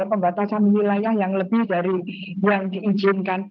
pembatasan wilayah yang lebih dari yang diizinkan